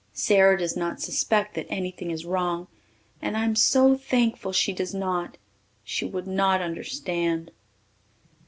Sara does not suspect that anything is wrong and I am so thankful she does not. She would not understand.